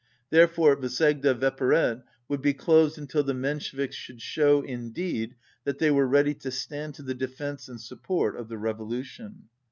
Therefore Vsegda Vpered would be closed until the Mensheviks should show in deed that they were ready to stand to the defence and support of the revolution.